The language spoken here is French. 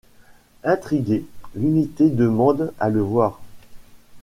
Intriguée, l'unité demande à le voir.